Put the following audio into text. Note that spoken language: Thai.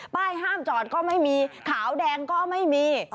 ห้ามจอดก็ไม่มีขาวแดงก็ไม่มี